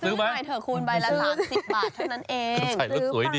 ซื้อให้สวยดิ